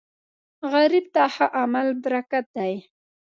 غریب ته ښه عمل برکت دی